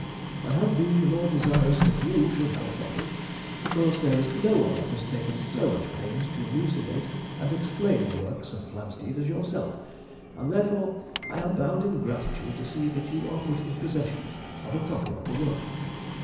I have been the more desirous that you should have a copy, because there is no one that has taken so much pains to elucidate and explain the works of Flamsteed as yourself, and therefore I am bound in gratitude to see that you are put in possession of a copy of the work.